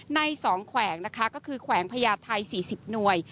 ในสองแขวงนะคะก็คือแขวงพญาทัย๔๐นวย